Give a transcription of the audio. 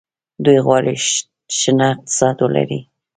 دوی غواړي شنه اقتصاد ولري.